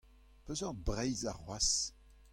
Peseurt Breizh arcʼhoazh ?